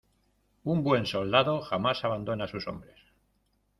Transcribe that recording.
Un buen soldado jamás abandona a sus hombres.